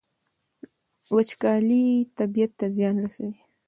وچکالي طبیعت ته زیان رسوي.